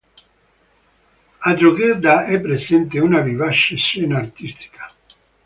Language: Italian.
A Drogheda è presente una vivace scena artistica.